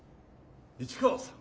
市川さん。